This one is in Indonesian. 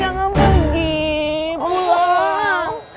jangan pergi pulang